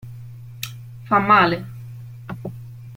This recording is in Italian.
Fa male.